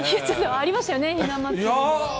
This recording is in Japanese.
ありましたよね？